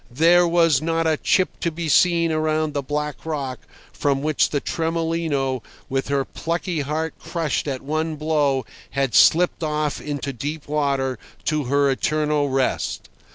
There was not a chip to be seen around the black rock from which the Tremolino, with her plucky heart crushed at one blow, had slipped off into deep water to her eternal rest.